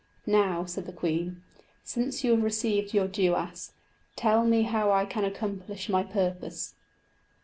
"Now," said the queen, "since you have received your duais, tell me how I can accomplish my purpose."